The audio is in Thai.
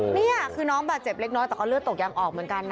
นี่คือน้องบาดเจ็บเล็กน้อยแต่ก็เลือดตกยังออกเหมือนกันนะ